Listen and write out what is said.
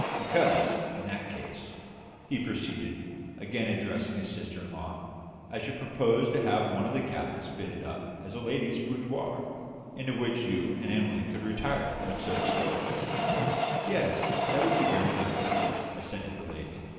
Because, in that case," he proceeded, again addressing his sister in law, "I should propose to have one of the cabins fitted up as a ladies' boudoir, into which you and Emily could retire when so disposed." "Yes, that would be very nice," assented the lady.